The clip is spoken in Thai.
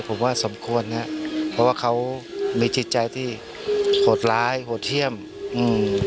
ผมว่าสมควรฮะเพราะว่าเขามีจิตใจที่โหดร้ายโหดเยี่ยมอืม